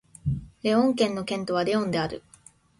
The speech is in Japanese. レオン県の県都はレオンである